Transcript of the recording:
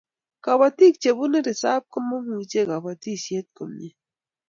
Kobotik chebunu risap komoimuchi kobotisiet komie